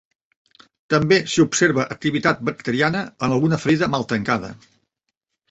També s'hi observa activitat bacteriana en alguna ferida mal tancada.